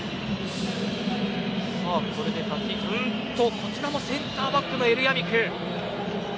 こちらもセンターバックのエルヤミク。